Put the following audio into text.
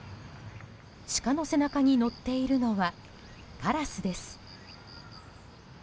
シカの背中に乗っているのはカラスです。